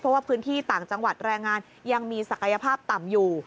เพราะว่าพื้นที่ต่างจังหวัดแรงงานยังมีศักยภาพต่ำอยู่